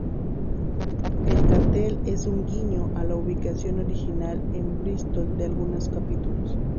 El cartel es un guiño a la ubicación original en Bristol de algunos capítulos.